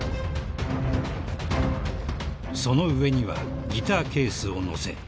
［その上にはギターケースを載せ